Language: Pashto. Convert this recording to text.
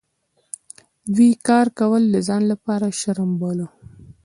دوی کار کول د ځان لپاره شرم باله.